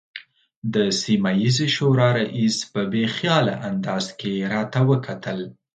د سیمه ییزې شورا رئیس په بې خیاله انداز کې راته وکتل.